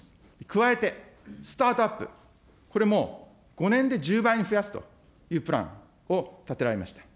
加えて、スタートアップ、これも５年で１０倍に増やすというプランを立てられました。